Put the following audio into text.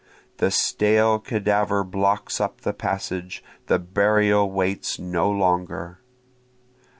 The stale cadaver blocks up the passage the burial waits no longer.